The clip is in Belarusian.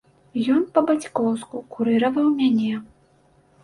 Ён па-бацькоўску курыраваў мяне.